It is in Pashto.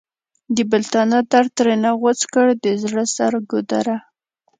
د بیلتانه درد ترېنه غوڅ کړ د زړه سر ګودره!